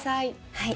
はい。